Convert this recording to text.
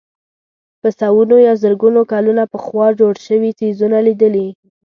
په سوونو یا زرګونو کلونه پخوا جوړ شوي څېزونه لیدلي.